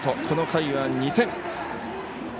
この回は２点。